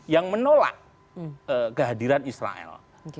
yang menolak kehadiran israel